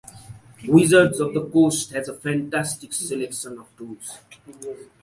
Wizards of the Coast has a fantastic seclection of tools.